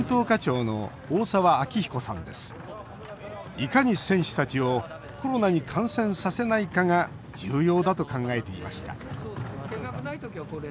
いかに選手たちをコロナに感染させないかが重要だと考えていました。